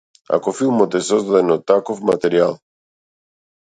Ако филмот е создаден од таков материјал.